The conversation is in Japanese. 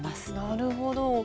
なるほど。